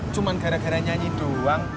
cuma gara gara nyanyi doang